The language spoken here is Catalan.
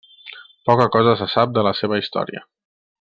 Poca cosa se sap de la seva història.